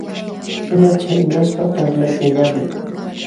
Ama chaynaspa, parlaykallaamay.